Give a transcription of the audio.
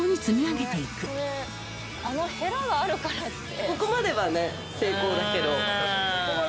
これあのヘラがあるからって。